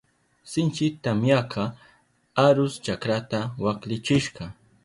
Sinchi tamyaka arus chakrata waklichishka.